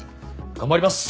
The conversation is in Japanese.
頑張ります！